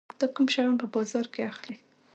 ته کوم شیان په بازار کې اخلي؟